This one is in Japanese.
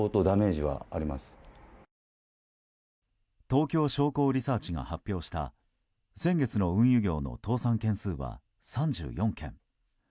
東京商工リサーチが発表した先月の運輸業の倒産件数は３４件。